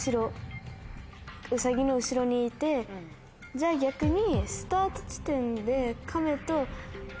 じゃあ逆に。